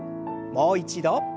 もう一度。